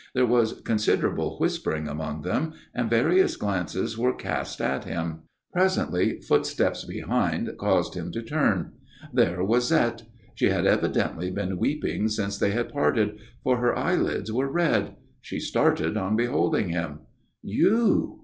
There was considerable whispering among them and various glances were cast at him. Presently footsteps behind caused him to turn. There was Zette. She had evidently been weeping since they had parted, for her eyelids were red. She started on beholding him. "You?"